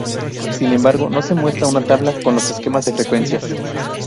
Sin embargo, no se muestra una tabla con los esquemas de frecuencias.